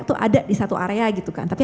itu ada di satu area gitu kan tapi